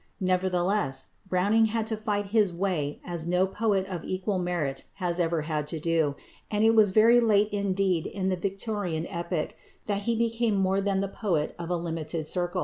Nevertheless, Browning had to fight his way as no poet of equal merit has ever had to do, and it was very late indeed in the Victorian epoch that he became more than the poet of a limited circle.